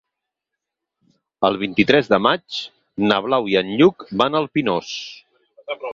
El vint-i-tres de maig na Blau i en Lluc van al Pinós.